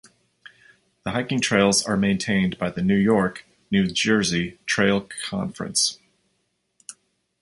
The hiking trails are maintained by the New York - New Jersey Trail Conference.